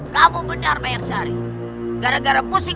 kita harus berjalan